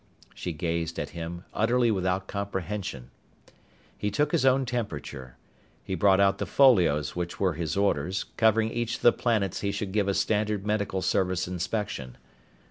She gazed at him utterly without comprehension. He took his own temperature. He brought out the folios which were his orders, covering each of the planets he should give a standard Medical Service inspection.